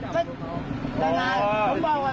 คุยก็ได้ไม่เป็นไรคุยได้